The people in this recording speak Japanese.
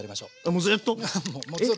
もうずっと。